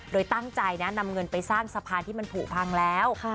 โดยตั้งใจนะนำเงินไปสร้างสะพานที่มันผูกพังแล้ว